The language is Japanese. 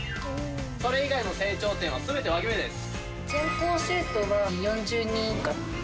それ以外の生長点は全て脇芽です。